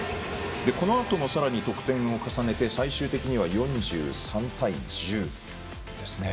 このあともさらに得点を重ねて最終的には４３対１０ですね。